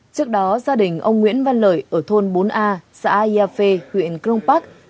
trước đó gia đình ông nguyễn văn lợi ở thôn bốn a xã yà phê huyện cron park